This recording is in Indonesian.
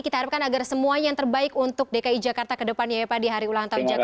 kita harapkan agar semuanya yang terbaik untuk dki jakarta ke depannya ya pak di hari ulang tahun jakarta